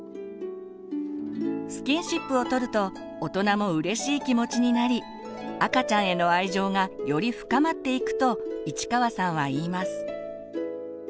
スキンシップを取ると大人もうれしい気持ちになり赤ちゃんへの愛情がより深まっていくと市川さんは言います。